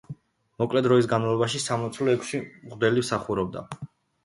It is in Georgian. მოკლე დროის განმავლობაში სამლოცველოში ექვსი მღვდელი მსახურობდა.